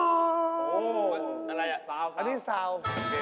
อันนี้ซาวนี่นะค่ะพ้าวแม่งรวม